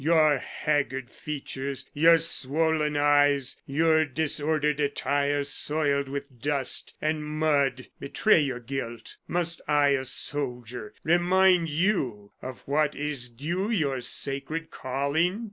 Your haggard features, your swollen eyes, your disordered attire soiled with dust and mud betray your guilt. Must I, a soldier, remind you of what is due your sacred calling?